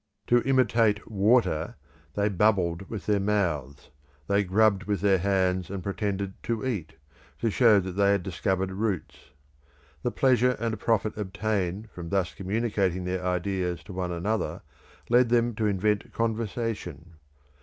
To imitate water, they bubbled with their mouths; they grubbed with their hands and pretended to eat, to show that they had discovered roots. The pleasure and profit obtained from thus communicating their ideas to one another led them to invent conversation.